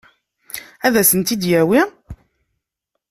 Ad sent-t-id-yawi?